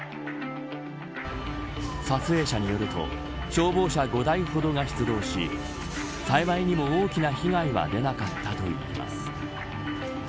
撮影者によると消防車５台ほどが出動し幸いにも、大きな被害は出なかったといいます。